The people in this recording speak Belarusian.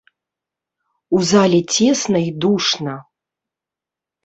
У зале цесна і душна.